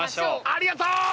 ありがとう！